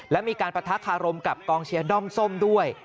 และมีการปะทะคารมกับกองเชียร์ด้อมส้มด้วย